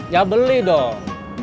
ya beli dong